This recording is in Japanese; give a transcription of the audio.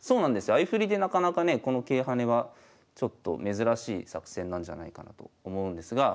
相振りでなかなかねこの桂跳ねはちょっと珍しい作戦なんじゃないかなと思うんですが。